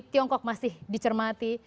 tiongkok masih dicermati